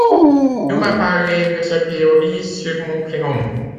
Il m'a parlé de sa théorie sur mon prénom.